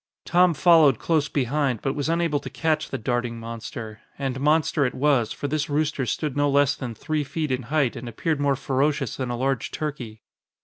Tom followed close behind, but was unable to catch the darting monster. And monster it was, for this rooster stood no less than three feet in height and appeared more ferocious than a large turkey.